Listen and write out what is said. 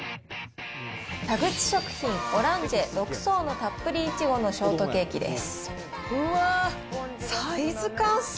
田口食品オランジェ、６層のたっぷり苺のショートケーキです。